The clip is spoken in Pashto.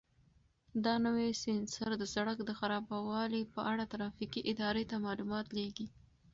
دا نوی سینسر د سړک د خرابوالي په اړه ترافیکي ادارې ته معلومات لېږي.